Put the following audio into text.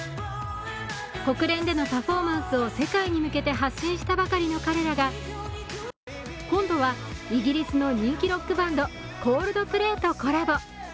国連でのパフォーマンスを世界に向けて発信したばかりの彼らが今度はイギリスの人気ロックバンド・コールドプレイとコラボ。